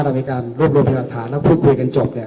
เรามีการรวบรวมพยาหลักฐานแล้วพูดคุยกันจบเนี่ย